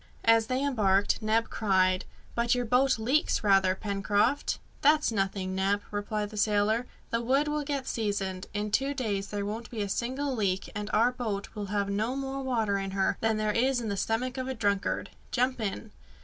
As they embarked, Neb cried, "But your boat leaks rather, Pencroft." "That's nothing, Neb," replied the sailor; "the wood will get seasoned. In two days there won't be a single leak, and our boat will have no more water in her than there is in the stomach of a drunkard. Jump in!"